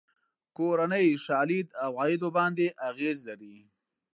کورنۍ شالید عوایدو باندې اغېز لري.